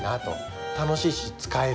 楽しいし使える。